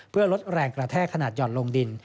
เพื่อลดแรงกระแทกขนาดหย่อนลงดิน